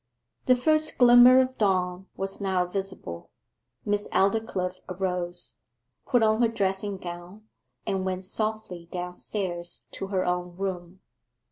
The first glimmer of dawn was now visible. Miss Aldclyffe arose, put on her dressing gown, and went softly downstairs to her own room.